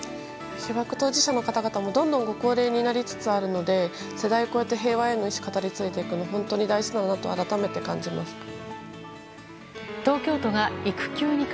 被爆当事者の方々もどんどんご高齢になりつつあるので世代を超えて平和への意思を語り継いでいくのは大事だと改めて感じました。